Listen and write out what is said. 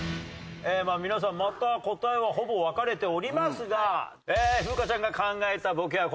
まあ皆さんまた答えはほぼ分かれておりますが風花ちゃんが考えたボケはこちらでした。